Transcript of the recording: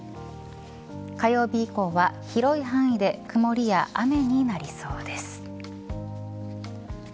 火曜日以降は広い範囲で曇りや雨になりそうです。